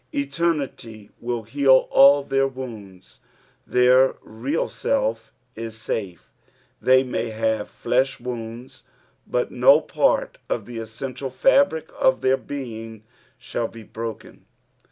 Eternity will heal all their wounds. Their real self is safe ; they may have flesh wounds, but no part of the essential fabric of their being shall he broken.